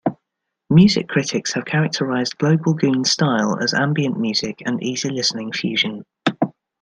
Music critics have characterized Global Goon's style as ambient music and "easy listening fusion".